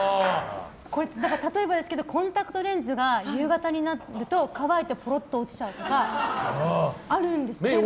例えばですけどコンタクトレンズが夕方になると乾いてポロッと落ちちゃうとかあるんですよね